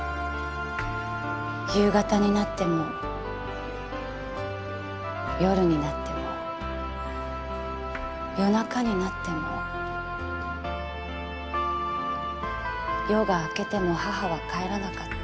夕方になっても夜になっても夜中になっても夜が明けても母は帰らなかった。